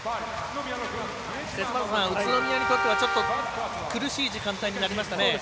節政さん、宇都宮にとっては苦しい時間帯になりましたね。